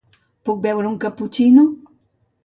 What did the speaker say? Puc beure un caputxino?